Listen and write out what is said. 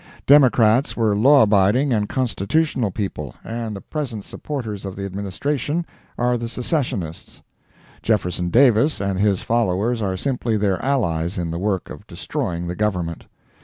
Democrats were law abiding and constitutional people, and the present supporters of the Administration are the Secessionists. Jeff. Davis and his followers are simply their allies in the work of destroying the Government.